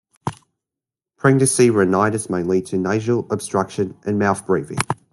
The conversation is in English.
"Pregnancy rhinitis" may lead to nasal obstruction and mouth breathing.